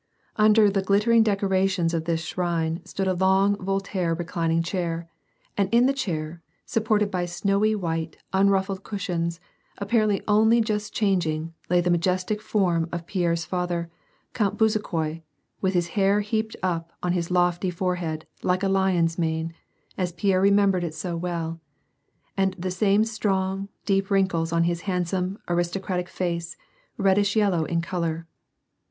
Under the glittering decorations of this shrine stood a long Voltaire reclining chair, and in the chair, supported by snowy white, unruffled cushions, apparently only just changed, lay the majestic form of Pierre's father, Count Bezukhoi, with his hair heaped up on his lofty forohead like a lion's mane, as Pierre remembered it so well, and the same strong, deep wrin kles on his handsome, aristocratic face, reddish yellow in color.